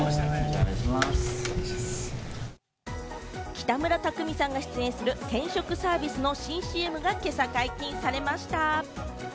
北村匠海さんが出演する転職サービスの新ＣＭが今朝、解禁されました。